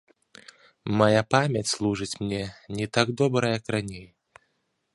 Мая памяць служыць мне не так добра, як раней.